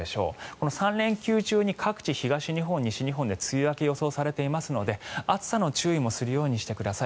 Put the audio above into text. この３連休中に各地東日本、西日本で梅雨明けが予想されていますので暑さの注意もするようにしてください。